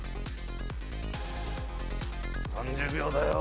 ３０秒だよ！